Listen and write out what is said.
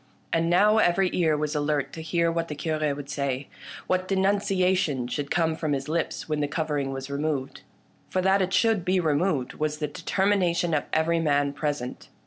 And now every ear was alert to hear what the Cure should say, what de nunciation should come from his lips when the cover ing was removed. For that it should be removed was the determination of every man present.